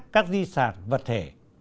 các di sản vật thể